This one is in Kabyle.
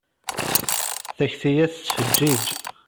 Takti-ya tettfeǧǧiǧ!